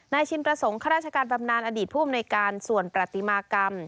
ชินประสงค์ข้าราชการบำนานอดีตผู้อำนวยการส่วนประติมากรรม